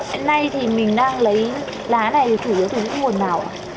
hôm nay thì mình đang lấy lá này chủ yếu từ những nguồn nào ạ